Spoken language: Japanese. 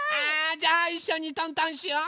じゃあいっしょにトントンしよう！